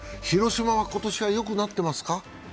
広島は今年はよくなってますか？